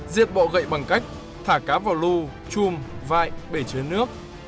diệt bọ gậy bằng cách thả cá vào lưu chùm vai bể chứa nước